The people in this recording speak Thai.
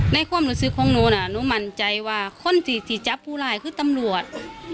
ความรู้สึกของหนูน่ะหนูมั่นใจว่าคนที่จับผู้ร้ายคือตำรวจ